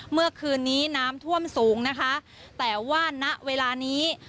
เมื่อคืนนี้น้ำท่วมสูงนะคะแต่ว่าณเวลานี้